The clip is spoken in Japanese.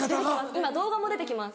今動画も出て来ます。